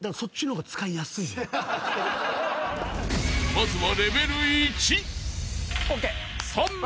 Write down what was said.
［まずは］